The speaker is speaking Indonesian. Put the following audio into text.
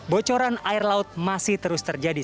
bocoran air laut masih terus terjadi